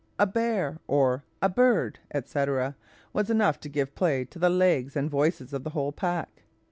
"a bear!" or "a bird!" &c., was enough to give play to the legs and voices of the whole pack.